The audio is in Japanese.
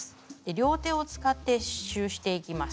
両手を使って刺しゅうしていきます。